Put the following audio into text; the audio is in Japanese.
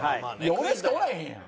俺しかおらへんやん。